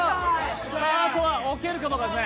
あとは置けるかどうかですね。